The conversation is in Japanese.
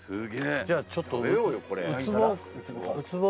じゃあちょっとウツボ。